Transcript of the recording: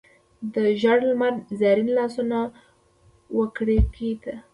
د ژړ لمر زرین لاسونه وکړکۍ ته،